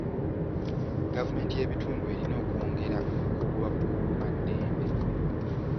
Gavumenti y'ebitundu erina okwongera ku bakuumaddembe.